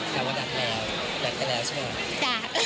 แต่ว่าดัดแล้วดัดไปแล้วใช่ไหม